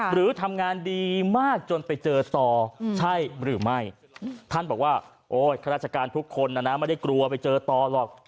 หรือทำงานดีมากจนไปเจอต่อใช่หรือไม่ท่านบอกว่าโอ้ยข้าราชการทุกคนนะนะไม่ได้กลัวไปเจอต่อหรอก